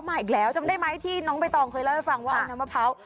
มาอีกแล้วจำได้ไหมที่น้องใบตองเคยเล่าให้ฟังว่าเอาน้ำมะพร้าว